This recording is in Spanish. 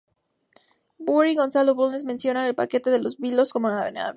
Burr y Gonzalo Bulnes mencionan el "Paquete de los Vilos" como nave.